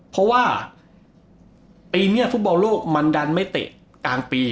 เพราะว่าปีนี้ฟุตบอลโลกมันดันไม่เตะกลางปี